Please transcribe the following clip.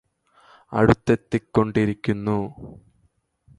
അടുത്തെത്തിക്കൊണ്ടിരിക്കുന്നു